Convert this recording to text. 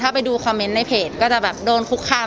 ถ้าไปดูคอมเมนต์ในเพจก็จะแบบโดนคุกคาม